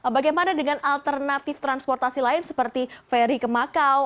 bagaimana dengan alternatif transportasi lain seperti feri ke makau